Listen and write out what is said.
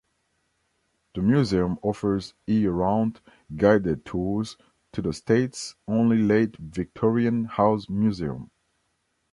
The museum offers year-round guided tours to the state's only late Victorian house museum.